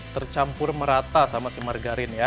tercampur merata sama si margarin ya